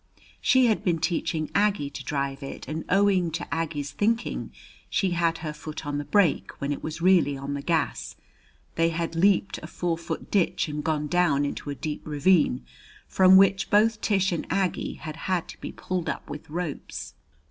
She had been teaching Aggie to drive it, and owing to Aggie's thinking she had her foot on the brake when it was really on the gas, they had leaped a four foot ditch and gone down into a deep ravine, from which both Tish and Aggie had had to be pulled up with ropes.